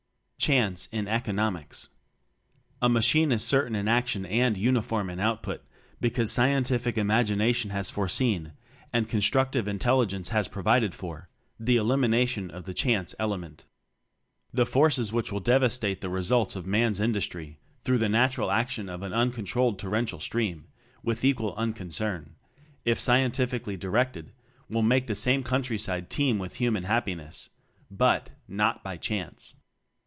"Chance" in Economics. A machine is certain in action and TECHNOCRACY 21 uniform in output, because scientific imagination has foreseen, and con structive intelligence has provided for, the elimination of the "chance" ele ment. The forces which will devastate the results of man's industry, through the "natural" action of an uncontrolled torrential stream, (with equal uncon cern) if scientifically directed, will make the same country side teem w r ith human happiness but, not by "chance."